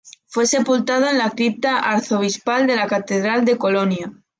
Fue sepultado en la cripta arzobispal de la Catedral de Colonia.